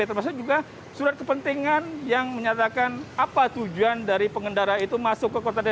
termasuk juga surat kepentingan yang menyatakan apa tujuan dari pengendara itu masuk ke kota depo